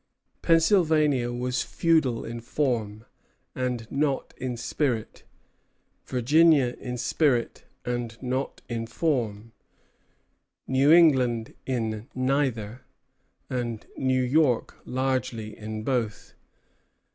Pennsylvania was feudal in form, and not in spirit; Virginia in spirit, and not in form; New England in neither; and New York largely in both.